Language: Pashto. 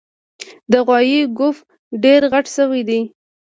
د غوایي ګوپ ډېر غټ شوی دی